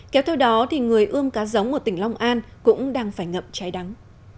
kéo theo đó thì người ươm cá giống ở tỉnh long an cũng đang phải ngậm cháy đắng